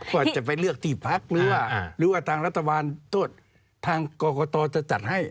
ก็จะไปเลือกที่ภักดิ์หรือว่าหรือว่าทางรัฐบาลทางกรกฎจะจัดให้